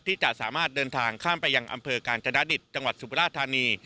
ที่จะสามารถเดินทางข้ามไปยังอำเภอกาญจนดิตจังหวัดสุบราธานี